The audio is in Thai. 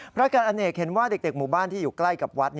อาจารย์อเนกเห็นว่าเด็กหมู่บ้านที่อยู่ใกล้กับวัด